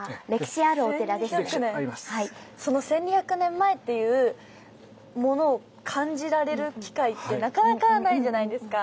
その１，２００年前っていうものを感じられる機会ってなかなかないじゃないですか。